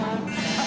あっ？